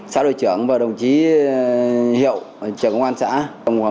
xã đội trưởng và đồng chí hiệu trưởng công an xã